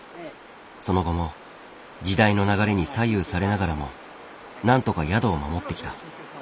その後も時代の流れに左右されながらもなんとか宿を守ってきた。